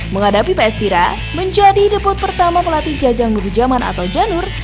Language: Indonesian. menghadapi ps tira menjadi deput pertama pelatih jajang nurjaman atau janur